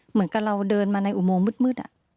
เหมือนกับเราเดินมาในอุโมงมืด